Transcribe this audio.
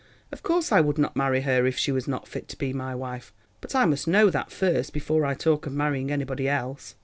"Of course I would not marry her if she was not fit to be my wife—but I must know that first, before I talk of marrying anybody else.